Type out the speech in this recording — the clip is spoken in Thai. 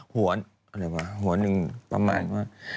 หัวหนึ่งประมาณว่า